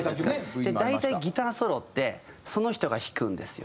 大体ギターソロってその人が弾くんですよ